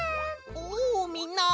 おうみんな！